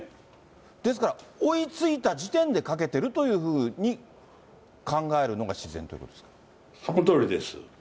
ですから、追いついた時点でかけてるというふうに考えるのが自然ということそのとおりです。